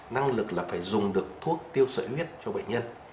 năng lực là phải dùng được thuốc tiêu sợi nhất cho bệnh nhân